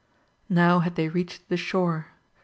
59 Now had they reached the shore.